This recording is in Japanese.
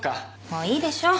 もういいでしょう？